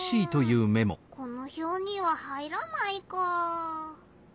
このひょうには入らないかあ。